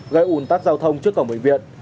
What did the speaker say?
gây un tắc giao thông trước cổng bệnh viện